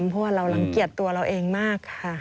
เพราะว่าเรารังเกียจตัวเราเองมากค่ะ